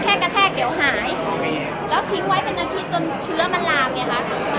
จนแค่อยู่ไหนจนเชื้อมันราบ